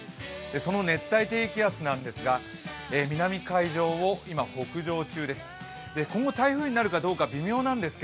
その熱帯低気圧なんですが南海上を今、北上中です。